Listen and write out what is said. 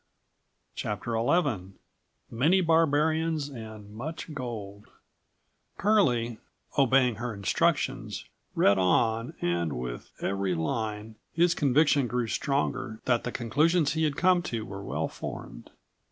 117 CHAPTER XI"MANY BARBARIANS AND MUCH GOLD" Curlie, obeying her instructions, read on and with every line his conviction grew stronger that the conclusions he had come to were well formed.